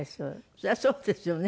そりゃそうですよね。